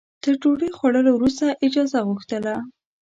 تر ډوډۍ خوړلو وروسته اجازه غوښتله.